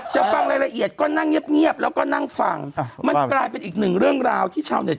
ฟังรายละเอียดก็นั่งเงียบเงียบแล้วก็นั่งฟังมันกลายเป็นอีกหนึ่งเรื่องราวที่ชาวเน็ต